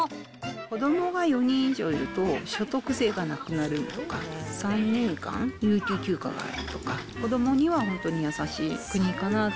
子どもが４人以上いると所得税がなくなるとか、３年間有給休暇があるとか、子どもには本当に優しい国かなって。